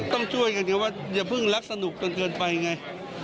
ต้องช่วยกันเดี๋ยวว่าอย่าเพิ่งรักสนุกจนเกินไปไง